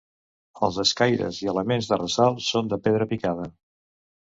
Els escaires i elements de ressalt són de pedra picada.